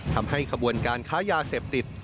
ทำให้ขบวนการค้ายาเสพติด